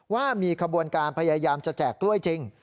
ว่ามีขบวนการพยายามจะแจกกล้วยจริง